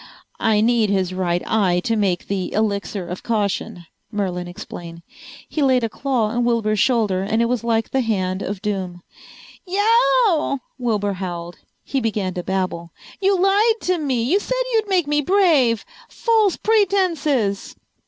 "I need his right eye to make the Elixir of Caution," Merlin explained. He laid a claw on Wilbur's shoulder and it was like the hand of doom. "Yeeow!" Wilbur howled. He began to babble. "You lied to me! You said you'd make me brave! False pretenses!"